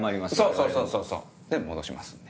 そうそうそうで戻しますんで。